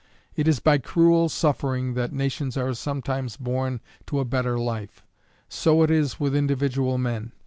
It is by cruel suffering that nations are sometimes born to a better life. So it is with individual men.